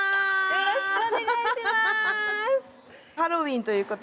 よろしくお願いします